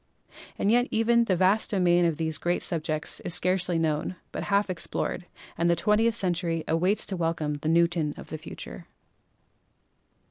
And even yet the vast domain of these great subjects is scarcely known, but half explored, and the twentieth century waits to welcome the Newton of the future.